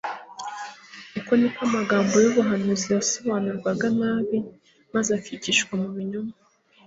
Uko niko amagambo y'ubuhanuzi yasobanurwaga nabi, maze akigishwa mu binyoma.